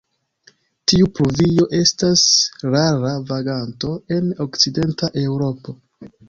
Tiu pluvio estas rara vaganto en okcidenta Eŭropo.